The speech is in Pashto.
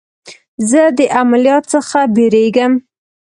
زه د عملیات څخه بیریږم.